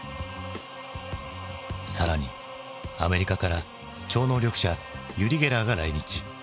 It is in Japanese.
更にアメリカから超能力者ユリ・ゲラーが来日。